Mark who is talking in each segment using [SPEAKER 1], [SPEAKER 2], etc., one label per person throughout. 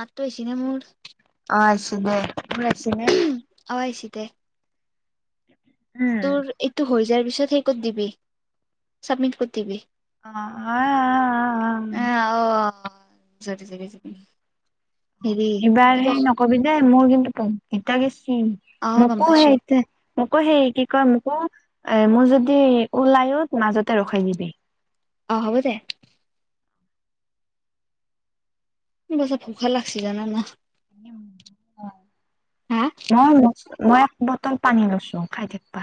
[SPEAKER 1] মাতটো আইছিনে মোৰ?
[SPEAKER 2] অ আইছি দে, মোৰ আইছিনে?
[SPEAKER 1] পাইছি দে। তোৰ এইটো হৈ যোৱাৰ পিছত সেই কত দিবি, চাবমিট কত দিবি।
[SPEAKER 2] আ-আ-আ-আ-আ-আ-আ
[SPEAKER 1] আহ অ [unintelligible] হেৰি
[SPEAKER 2] এবাৰ
[SPEAKER 1] কিবা
[SPEAKER 2] হেই নকবি দে মোৰ কিন্তু বহুত কিটা গেছি।
[SPEAKER 1] অ গম
[SPEAKER 2] মকো
[SPEAKER 1] পাইছো
[SPEAKER 2] হেইটে মোকো সেই কি কয় মোকো এ মোৰ যদি ওলাইও মাজতে ৰখাই দিবি
[SPEAKER 1] অ হ'ব দে মোৰ যে ভোকা লাগছে জানা না হা
[SPEAKER 2] নহয় মোচ্ মই এক বটল পানী লৈছো খাই থাক-বা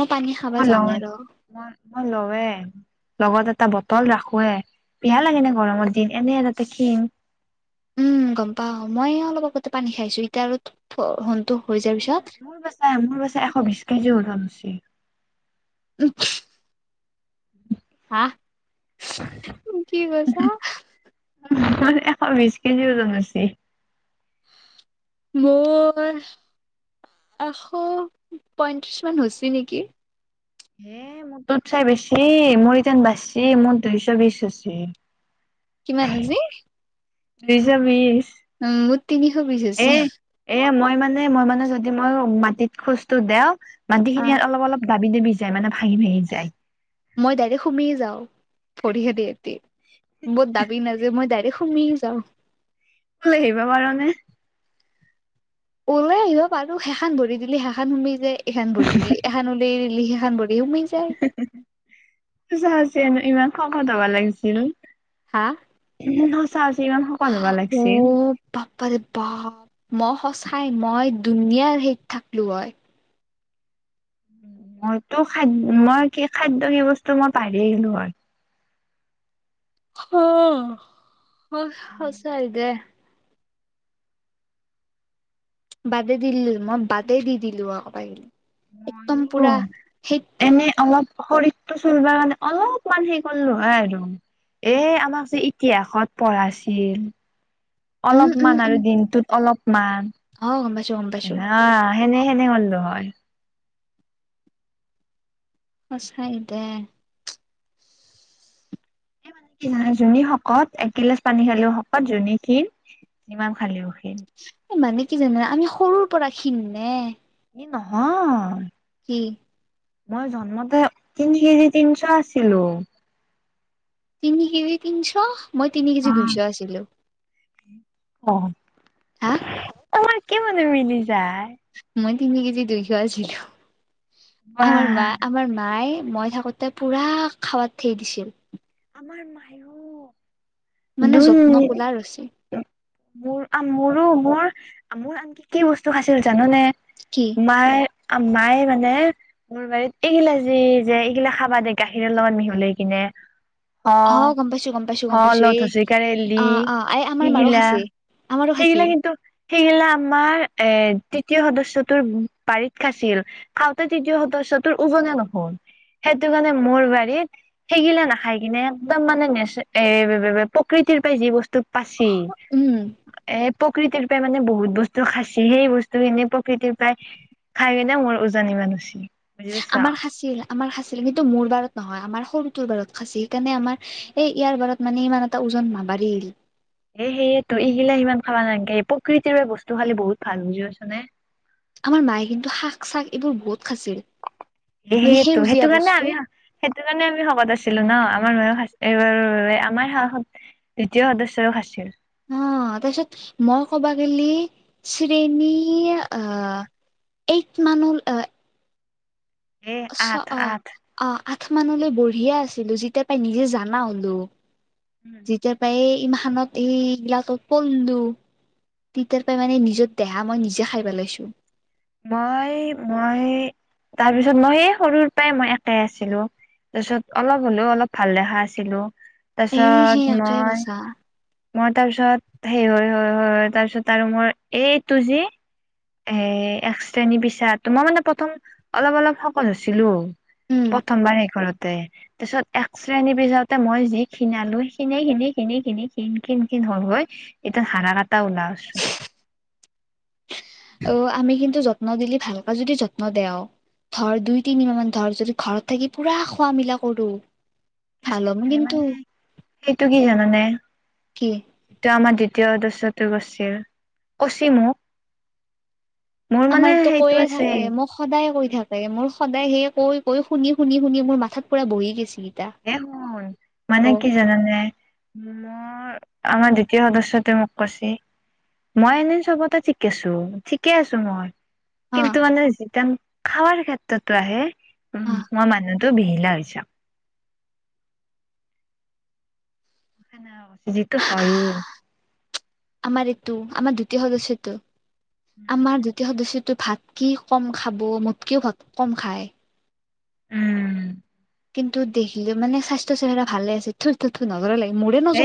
[SPEAKER 1] মই পানী খাবা যামে ৰ
[SPEAKER 2] মই মই ল‌ওৱে লগত এটা বটল ৰাখোৱে পিয়া লাগে ন গৰমৰ দিন এনে তাতে খিণ
[SPEAKER 1] উম গম পাও মই অলপ আগতে পানী খাইছো এতিয়া আৰু থ থ হোনতো
[SPEAKER 2] মোৰ বাছাই মোৰ বাছাই এশ বিছ কেজি ওজন হৈছি
[SPEAKER 1] [unintelligible] হা কি কৈছা
[SPEAKER 2] ম এশ বিছ কেজি ওজন হৈছি
[SPEAKER 1] মোৰ এশ পয়ত্ৰিছ মান হৈছে নিকি
[SPEAKER 2] হে মোৰ তোতচে বেছি মোৰ ইতান বেছি মোৰ দুইছ বিছ হৈছি
[SPEAKER 1] কিমান হৈছি
[SPEAKER 2] দুইছ বিছ
[SPEAKER 1] উম মোৰ তিনিশ বিছ আছিল
[SPEAKER 2] এ মই মানে মই মানে যদি ময়ো মাটিত খোজটো দেও মাটি
[SPEAKER 1] আহ
[SPEAKER 2] খিনি অলপ অলপ দাবি দাবি যায় মানে হেই যায়
[SPEAKER 1] মই ডাইৰেক্ট সোমাইয়ে যাওঁ ভৰিখেনেহেতি মই দাবি নাযায় মই ডাইৰেক্ট সো সোমাইয়েই যাও
[SPEAKER 2] উলাই আহিব পাৰ নে
[SPEAKER 1] ওলাই আহিব পাৰো সেইখান ভৰি দিলি সেইখান সোমেই যায় এইখান ভৰি দিলি এখন উওলিয়াই দিলি সেইখান ভৰি সোমেই যায়
[SPEAKER 2] জেনো ইমান শকত হব লাগিছিল
[SPEAKER 1] হা
[SPEAKER 2] হৈছি ইমান শকত হবা
[SPEAKER 1] অ
[SPEAKER 2] লাগছিল।
[SPEAKER 1] বাপপাৰে বাপ ম সঁচাই মই দুনিয়াৰ হে থাক-লোঁ হয়
[SPEAKER 2] মইতো খাদ মই কি খাদ্য কি বস্তু মই পহ-ৰিয়ে গেলো হয়
[SPEAKER 1] হঅঅ সচাই দে বাদে দি দিলো মই বাদে দি দিলো আক পাইল
[SPEAKER 2] মইয়ো এনেই অলপ সৰি টো চলব মানে অলপমান হে কৰলো হয় আৰু এ আমাক যে ইতিহাসত পঢ়া ছিল
[SPEAKER 1] উম উম
[SPEAKER 2] অলপমান
[SPEAKER 1] উম
[SPEAKER 2] আৰু দিনটোত অলপমান
[SPEAKER 1] অ গম পাইছো গম পাইছো
[SPEAKER 2] এনহা সেনে সেনে হল্লো হয়
[SPEAKER 1] সচাই দে
[SPEAKER 2] মানে কি নহয় যোনী শকত একগিলাচ পানী খালো শকত যোনে খিন সিমান খালেও খিন
[SPEAKER 1] মানে কি জানা আমি সৰুৰ পৰা ক্ষীন নে
[SPEAKER 2] এই নহ
[SPEAKER 1] কি
[SPEAKER 2] মই জন্মতে তিন কেজি তিন-ছ আছিলো
[SPEAKER 1] তিনি কেজি তিনিশ মই তিনি কেজি দুইশ আছিলো
[SPEAKER 2] অ',
[SPEAKER 1] হাঁ
[SPEAKER 2] তোমাৰ কি মানে, মিলি যায়',
[SPEAKER 1] মই তিনি কেজি দেখুৱাই আছিলোঁ,
[SPEAKER 2] বাহ
[SPEAKER 1] আমাৰ মা, আমাৰ মায়ে', মই থাকোতে পুৰা খাৱাত থেই দিছিল
[SPEAKER 2] আমাৰ মায়ো',
[SPEAKER 1] মানে
[SPEAKER 2] দুই
[SPEAKER 1] যত্ন পোলা
[SPEAKER 2] মিনিট,
[SPEAKER 1] ৰচি
[SPEAKER 2] মোৰ অ', মোৰো, মোৰ ', মোৰ আনকি, কি বস্তু খাইছিল জাননে?
[SPEAKER 1] কি
[SPEAKER 2] মায়ে আ', মায়ে মানে', মোৰ বাৰীত এইগিলা যি যে এইগিলা খাবা দে গাখীৰৰ লগত মিহলাই কিনে অ',
[SPEAKER 1] গম পাইছো গম পাইছো গম পাইছো এই
[SPEAKER 2] হলথি
[SPEAKER 1] অ
[SPEAKER 2] লি
[SPEAKER 1] অ এই আমাৰ মাৰো
[SPEAKER 2] হিগিলা',
[SPEAKER 1] খাইছে আমাৰো
[SPEAKER 2] সেইফালে
[SPEAKER 1] খাইছিল
[SPEAKER 2] কিন্তু সেইগিলা আমাৰ এ তি', তৃতীয় সদস্যটোৱে বাৰীত খাছিল খাওঁতে তৃতীয় সদস্যটোৰ উজনেই নহল সেইটো মানে মোৰ বাৰীত সেগিলা নাখায়', এনে একদম মানে নেচে, এই বে-বে-বে প্ৰকৃতিৰ পৰা যি বস্তু', পাচি,
[SPEAKER 1] উম
[SPEAKER 2] এ', প', প্ৰকৃতিৰ ৰূপে মানে বহুত বস্তু খাছি, সেই বস্তুখিনি প্ৰকৃতিৰ পৰাই', খাই কিনে মোৰ ওজন ইমান হৈছি', বুজি পাইছা
[SPEAKER 1] আমাৰ খাঁছিল, আমাৰ খাঁছিল, কিন্তু মোৰ বাৰত নহয় আমাৰ সৰুটোৰ বাৰত খাঁছি', সেইকাৰণে আমাৰ এই ইয়াৰ বাৰত মানে ইমান এটা ওজন নাবাঢ়িল
[SPEAKER 2] এ, সেইটো, ইগিলা হিমান খাবা নালাংগে প্ৰকৃতিৰ পৰা বস্তু খালি বহুত ভাল বুজি পাইছ নে?
[SPEAKER 1] আমাৰ মায়ে কিন্তু শাক চাক এইবোৰ বহুত', খাইছিল মানে
[SPEAKER 2] সেইটো-
[SPEAKER 1] সেউজীয়া
[SPEAKER 2] সেইটো কাৰণে
[SPEAKER 1] বস্তু
[SPEAKER 2] আমি শ', সেইটো কাৰণে আমি শকত আছিলোঁ ন, আমাৰ ময়ো খা', এইবাৰোৰ বাবে আমাৰ সা, হত দ্বিতীয় সদস্যও খাছিল',
[SPEAKER 1] অ', অ', তাৰপিছত মই ক'বা গে'লি শ্ৰেণী আঁহ', এইট মান ল', অ' হয়',
[SPEAKER 2] এ
[SPEAKER 1] চ'
[SPEAKER 2] আঠ
[SPEAKER 1] অ',
[SPEAKER 2] আঠ
[SPEAKER 1] অ', ' আঠ মানলৈ বঢ়িয়া আছিলোঁ, যেতিয়া পায়ে নিজে জানা হলোঁ, যেতিয়া পায়ে', ইমানত এইবিলাকত পললু', তেতিয়াৰ পৰাই মানে নিজৰ দেহা মই নিজে খাই পেলাইছোঁ',
[SPEAKER 2] মই-মই, তাৰপিছত মই, এই সৰুৰ পৰাই মই ইয়াতে আছিলোঁ, ' তাৰপিছত অলপ হলেও অলপ ভাল দেখা আছিলোঁ,
[SPEAKER 1] এ সেই
[SPEAKER 2] তাৰপিছত
[SPEAKER 1] একে
[SPEAKER 2] মই',
[SPEAKER 1] বছা
[SPEAKER 2] মই তাৰপিছত, সেই হয়-হয়-হয়-হয় তাৰপিছত আৰু মোৰ এইটো জি', এ', এক শ্ৰেণীৰ পিছাত, তো, মই মানে প্ৰথম অলপ অলপ শকত হৈছিলোঁ',
[SPEAKER 1] উম
[SPEAKER 2] প্ৰথমবাৰ সেই ঘৰত', তে', তাৰপিছত এক্সৰে নিবি যাওঁতে মই যি খিনালো, খিনি- খিনি -খিনি- খিনি- খিন- খিন- খিন', ন হয়', এতিয়া হাৰা কেটা ওলাইছোঁ',
[SPEAKER 1] অ' আমি কিন্তু যত্ন দিলি ভালকৈ যদি যত্ন দেও', ধৰ দুই তিনি মাহ মান ধৰ যদি ঘৰত থাকি পুৰা খোৱা মিলা কৰো ভাল হম
[SPEAKER 2] সেই
[SPEAKER 1] কিন্তু
[SPEAKER 2] মানে, সেইটো কি জানানে?
[SPEAKER 1] কি
[SPEAKER 2] যিটো আমাৰ দ্বিতীয় সদস্যটো কছিল, কছিল মোক', মোৰ মানে
[SPEAKER 1] আমাৰতো
[SPEAKER 2] সেইটো
[SPEAKER 1] কৈয়ে
[SPEAKER 2] আছে
[SPEAKER 1] থাকে, মোক সদায় কৈ থাকে মোৰ', সদায় সেয়ে কৈ- কৈ, শুনি -শুনি -শুনি মোৰ মাথাত পূৰা বহি গিছিল',
[SPEAKER 2] এ শুন, মানে কি জানানে? উ', মোৰ', - আমাৰ দ্বিতীয় সদস্যতো মোক কৈছি', মই এনেই চবতে ঠিকে আছো ঠিকে আছো মই
[SPEAKER 1] হা
[SPEAKER 2] কিন্তু মানে যেতান খাৱাৰ ক্ষেত্ৰতো আহে,
[SPEAKER 1] হা
[SPEAKER 2] উ', মই মানুহতো বিহিলা হৈ যাম', এ নে কৈছা, ফিজিক্সতো হয়তো',
[SPEAKER 1] আমাৰ এইটো, আমাৰ দ্বিতীয় সদস্যটো, আমাৰ দ্বিতীয় সদস্য', ত', ভাত কি কম খাব, মোতকেও ভাত কম খায়',
[SPEAKER 2] উম
[SPEAKER 1] কিন্তু দেখিলো মানে স্বাস্থ্য চেহেৰা ভালে আছে থু থু থু ন
[SPEAKER 2] এ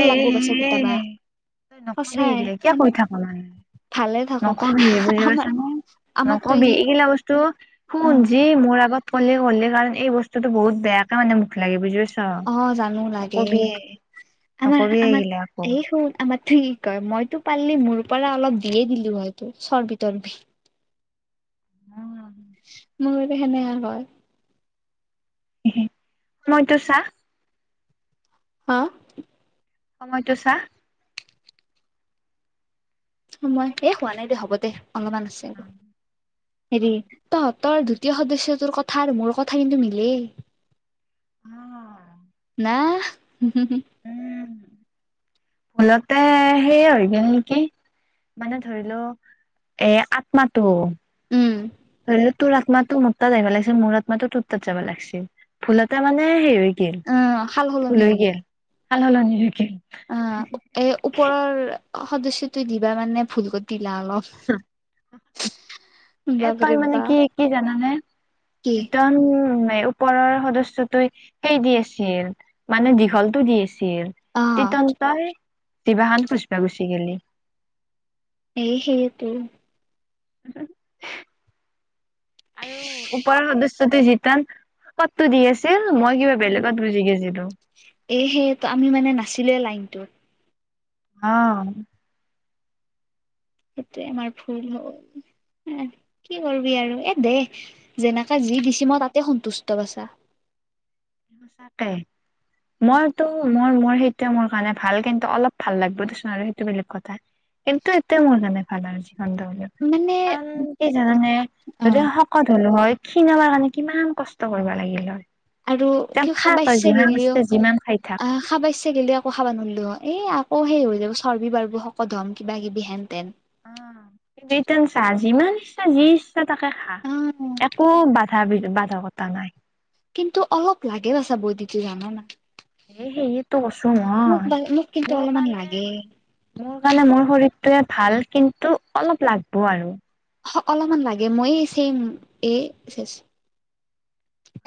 [SPEAKER 2] তই নকবি এইগিলা কিয় কৈ থাক মানে
[SPEAKER 1] ভালে থাকক
[SPEAKER 2] নকবি বুজি
[SPEAKER 1] আমাৰ
[SPEAKER 2] পাইছা না
[SPEAKER 1] আমাৰতো
[SPEAKER 2] নকবি
[SPEAKER 1] ই
[SPEAKER 2] এইগিলা বস্তু শুন
[SPEAKER 1] উম
[SPEAKER 2] যি মোৰ আগত ক'লে ক'লে কাৰণ এই বস্তুটো বহুত বেয়াকে মানে মুখ লাগে বুজি পাইছ
[SPEAKER 1] অ জানো লাগে
[SPEAKER 2] নকবি
[SPEAKER 1] আমাৰ
[SPEAKER 2] নকবি এইগিলা আকৌ
[SPEAKER 1] আমাৰ এই হো আমাৰ ঠিক হয় মইতো পাৰিলি মোৰ পৰা অলপ দিয়ে দিলো হয় তো চৰ্বি তৰ্বি মোৰতে সেনে হয়
[SPEAKER 2] মইতো চাহ
[SPEAKER 1] হা
[SPEAKER 2] সময়টো চা
[SPEAKER 1] মই এ হোৱা নাই দে হ'ব দে অলপমান আছে আৰু হেৰি তহ তৰ দ্বিতীয় সদস্যটোৰ কথা আৰু মোৰ কথা কিন্তু মিলেই
[SPEAKER 2] অ
[SPEAKER 1] আহহ্ হু হু হু
[SPEAKER 2] উম ভুলতে সেইয় হৈ গল নিকি মানে ধৰি লও এ আত্মাটো ধৰি লও তোৰ আত্মাটো মোৰ তাত আহিবা লাগিছিল মোৰ আত্মাটো তোৰ তাত যাবা লাগিছিল ভুলতে মানে হেৰি গেল
[SPEAKER 1] আ সাল সলনি হৈ গেল
[SPEAKER 2] সাল সলনি হৈ গেল
[SPEAKER 1] অ এ ওপৰৰ সদস্যটো দিবা মানে ভুল কৰ কি লালছ
[SPEAKER 2] এটাই মানে কি কি জানানে
[SPEAKER 1] কি
[SPEAKER 2] এটান এ ওপৰৰ সদস্যটো সেই দি আছিল মানে দীঘলটো দি আছিল ছিল
[SPEAKER 1] অ
[SPEAKER 2] তিতন তই জিৱাহান খুচবা গুচি গেলি
[SPEAKER 1] সেই সেইয়েতো
[SPEAKER 2] [unintelligible] আৰু ওপৰৰ সদস্যটো যি তা পদটো দি আছিল মই কিবা বেলেগত বুজি গেজিলো
[SPEAKER 1] এ সে ত আমি মানে নাছিলে লাইনটো
[SPEAKER 2] অহ
[SPEAKER 1] সেইটোয়ে আমাৰ ভুল হল এহ কি কৰবি আৰু এ দে যেনা তা যি দিছি মই তাতে সন্তুষ্ট বছা
[SPEAKER 2] সচাকে মইতো মোৰ মোৰ সেইটোৱে মোৰ কাৰণে ভাল কিন্তু অলপ ভাল লাগিব দেচোন আৰু সেইটো বেলেগ কথা কিন্তু এতি মোৰ কাৰণে ভাল আৰু যিখানটা হলেও
[SPEAKER 1] মানে
[SPEAKER 2] কাৰণ কি জান
[SPEAKER 1] অ
[SPEAKER 2] যদি শকত হ'লো হয় ক্ষীণাবাৰ কাৰণে কিমান কষ্ট কৰব লাগিল হয়
[SPEAKER 1] আৰু
[SPEAKER 2] তেন
[SPEAKER 1] কি
[SPEAKER 2] খা
[SPEAKER 1] খাবা
[SPEAKER 2] তই
[SPEAKER 1] ইচ্ছা
[SPEAKER 2] যিমান
[SPEAKER 1] গেলিও
[SPEAKER 2] ইচ্ছা যিমান খাই থাক।
[SPEAKER 1] অ খাবা ইচ্ছা গিলেও একৌ খাবা নোৱাৰলোও হয় এ আ অ সেই হৈ যাব চৰ্বি বাৰ্ব শকত হম কিবা কিবি হেন তেন
[SPEAKER 2] আ ইটান চাহ যিমান ইচ্ছা যি ইচ্ছা তাকে খা
[SPEAKER 1] অ
[SPEAKER 2] একো বা বাধা বাধকতা নাই
[SPEAKER 1] কিন্তু অলপ লাগেওছা বৈদিটো জান না
[SPEAKER 2] এ সেয়টো কছো মই
[SPEAKER 1] মোক কিন্তু
[SPEAKER 2] মোৰ
[SPEAKER 1] অলপমান
[SPEAKER 2] কাৰণে
[SPEAKER 1] লাগে
[SPEAKER 2] মোৰ কাৰণে মোৰ শৰীৰ এটোৱে ভাল কিন্তু অলপ লাগব আৰু
[SPEAKER 1] অ অলপমান লাগে মইয়ে চেম এ চেচ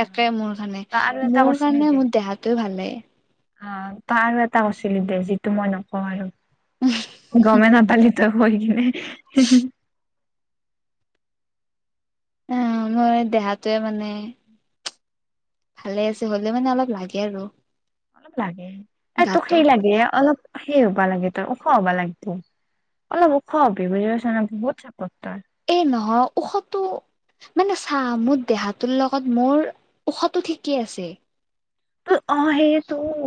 [SPEAKER 1] একে মোৰ কাৰণে
[SPEAKER 2] তই আৰু এটা
[SPEAKER 1] মোৰ
[SPEAKER 2] কৈছিলি
[SPEAKER 1] কাৰণে
[SPEAKER 2] দে
[SPEAKER 1] মোৰ দেহটো ভালে
[SPEAKER 2] অ তই আৰু এটা কৰছিলি দে যিটো মই নকওঁ আৰু গমে নেপালি ত হৈ কিনে হে হে
[SPEAKER 1] অহ মোৰ দেহাতোৱে মানে ভালে আছে হলেও মানে অলপ লাগে আৰু
[SPEAKER 2] অলপ লাগে এই তোক
[SPEAKER 1] গাটো
[SPEAKER 2] সেই লাগে অলপ। সেই হ'বা লাগে তই ওখ হবা লাগব অলপ ওখ হবি বুজি পাইছ না বহুত চ।
[SPEAKER 1] এ নহয় ওখ টো মানে চা মোৰ দেহাটোৰ লগত মোৰ ওখ টো ঠিকেই আছে।
[SPEAKER 2] তোৰ অ সেই তোৰ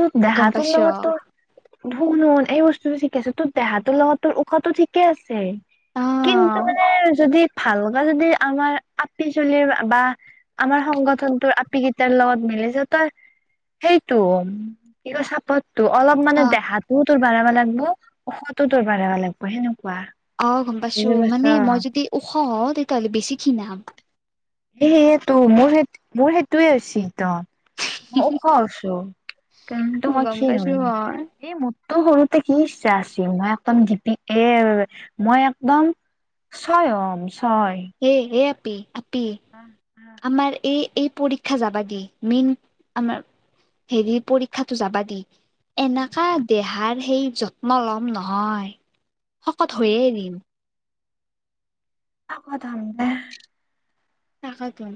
[SPEAKER 2] তোৰ দেহা
[SPEAKER 1] গম
[SPEAKER 2] তোৰ
[SPEAKER 1] পাইছ
[SPEAKER 2] লগত তোৰ ভন হুন এই বস্তু। তুমি ঠিকে আছ তোৰ দেহাটোৰ লগত তোৰ ওখ টো ঠিকে আছে।
[SPEAKER 1] অ
[SPEAKER 2] কিন্তু মানে যদি ভাল। বা যদি আমাৰ আপি চলিৰ বা আমাৰ সংগঠনটোৰ আপি কেইটাৰ লগত মিলিছে ত সেইটো কি ক চাপটো অলপ মানে
[SPEAKER 1] অ
[SPEAKER 2] দেহাটোও বাঢ়াবা লাগবৌ ওখটো ত বাঢ়াবা লাগবৌ সেনেকুৱা।
[SPEAKER 1] অহ গম পাইছো
[SPEAKER 2] বুজি পাইছ
[SPEAKER 1] মানে মই যদি ওখ হওঁ তেতিয়াহ'লে বেছি খিনাম।
[SPEAKER 2] এ সেইতো মোৰ সেই মোৰ সেইটোয়ে হৈছে ত মই ওখ আছো। কাৰণ তোমা
[SPEAKER 1] গম
[SPEAKER 2] খিণ হল
[SPEAKER 1] পাইছো
[SPEAKER 2] ন
[SPEAKER 1] মই
[SPEAKER 2] এই মত তোৰ সৰুতে কি ইচ্ছা আছিল মই একদম দিপি এৰ মই একদম। স্বয়ন
[SPEAKER 1] এ এ আপি আপি আমাৰ এই। এই পৰীক্ষা যাবা দি মেইন আমাৰ হেৰি পৰীক্ষাটো যাবা দে। এনাকা দেহাৰ সেই যত্ন ল'ম নহয়। শকত হৈয়ে এৰিম।
[SPEAKER 2] শকত হম
[SPEAKER 1] তাকেতোন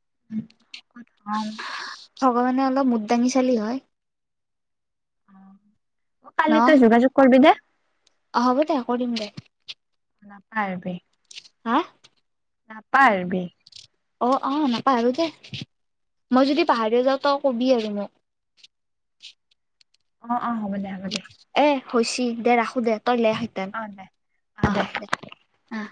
[SPEAKER 2] [unintelligible]
[SPEAKER 1] ভগৱানে অলপ মুৰ দাঙি চালি হয়। ন
[SPEAKER 2] কালি তই যোগাযোগ কৰিবি নে
[SPEAKER 1] অ হ'ব দে কৰিম দে।
[SPEAKER 2] নাপাহৰবি।
[SPEAKER 1] আ
[SPEAKER 2] নাপা-হৰবি।
[SPEAKER 1] অহ অহ নাপাহৰো দে। মই যদি পাহাৰি যাওঁ তই কবি আৰু মোক।
[SPEAKER 2] অ অ হ'ব দে হ'ব দে।
[SPEAKER 1] এ হৈছি দে ৰাখো দে তইলেহেতেন
[SPEAKER 2] অ দে
[SPEAKER 1] অহ দে আহ।